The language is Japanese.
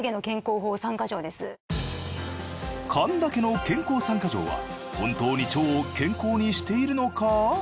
神田家の健康３か条は本当に腸を健康にしているのか？